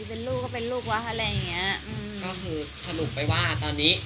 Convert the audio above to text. เป็นลูกก็เป็นลูกวะอะไรอย่างเงี้ยอืมก็คือสรุปไปว่าตอนนี้